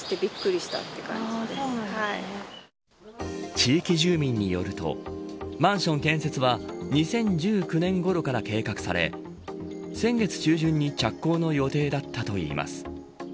地域住民によるとマンション建設は２０１９年ごろから計画され先月中旬に着工の予定だったといいます。